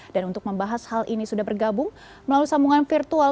dan untuk membahas hal ini sudah bergabung melalui sambungan virtual